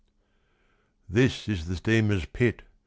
"This is the steamer's pit.